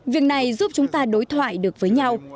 việc này giúp chúng ta đối thoại được với nhau